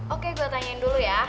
oke gue tanyain dulu ya